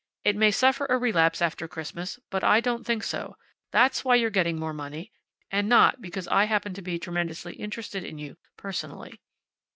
It may suffer a relapse after Christmas, but I don't think so. That's why you're getting more money, and not because I happen to be tremendously interested in you, personally."